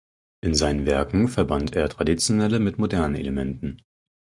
In seinen Werken verband er traditionelle mit modernen Elementen.